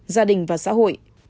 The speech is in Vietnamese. gia đình và xã hội